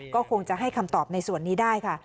ก็คงจะให้คำตอบในส่วนนี้ได้ค่ะ